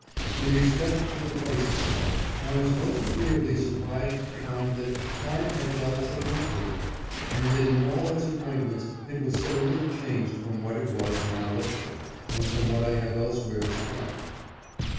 In respect to the place itself, I was most agreeably surprised to find that time had dealt so gently with it, and that in all its appointments it was so little changed from what it was when I left it, and from what I have elsewhere de scribed it.